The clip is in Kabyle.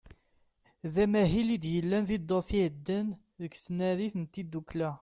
D amahil i d-yellan ddurt iɛeddan deg tnarit n tiddukla.